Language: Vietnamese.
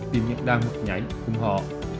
tìm nhật đàn hoặc nhảy cùng họ